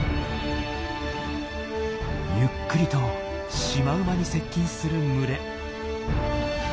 ゆっくりとシマウマに接近する群れ。